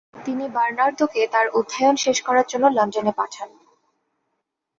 তিনি বারনার্দোকে তার অধ্যায়ন শেষ করার জন্য লন্ডনে পাঠান।